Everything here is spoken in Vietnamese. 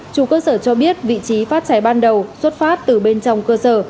chủ cơ sở cho biết vị trí phát cháy ban đầu xuất phát từ bên trong cơ sở